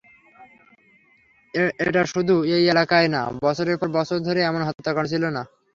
এটা শুধু এই এলাকায় না, বছরের পর বছর ধরে এমন হত্যাকাণ্ড ছিলো না।